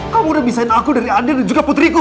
kamu sudah bisain aku dari andien dan juga putriku